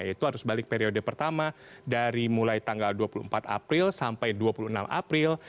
yaitu arus balik periode pertama dari mulai tanggal dua puluh empat april sampai dua puluh enam april